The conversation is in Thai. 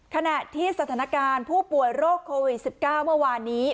ขณะที่สถานการณ์ผู้ป่วยโรคโควิด๑๙เมื่อวานนี้